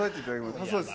そうです。